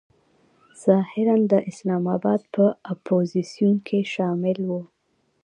ظاهراً د اسلام آباد په اپوزیسیون کې شامل و.